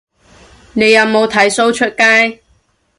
你有冇剃鬚出街